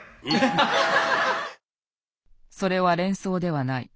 それは連想ではない。